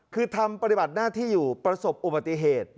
คือทำปฏิบัติหน้าที่อยู่ประสบอุบัติเหตุ